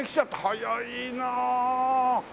早いなあ。